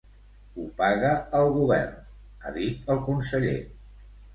“Ho paga el govern”, ha dit el conseller.